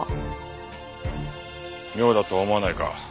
妙だとは思わないか？